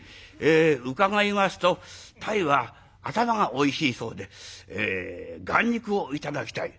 『伺いますと鯛は頭がおいしいそうでえ眼肉を頂きたい』」。